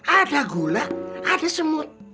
ada gula ada semut